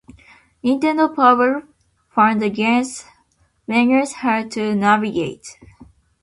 "Nintendo Power" found the game's menus hard to navigate.